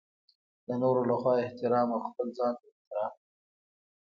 د نورو لخوا احترام او خپل ځانته احترام.